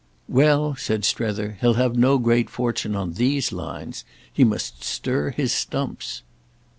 "Well," said Strether, "he'll have no great fortune on these lines. He must stir his stumps."